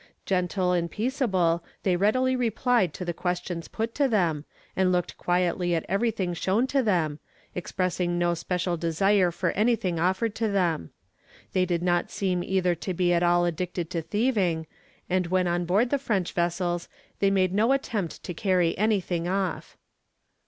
Gentle and peaceable they readily replied to the questions put to them, and looked quietly at everything shown to them, expressing no special desire for anything offered to them. They did not seem either to be at all addicted to thieving, and when on board the French vessels they made no attempt to carry anything off.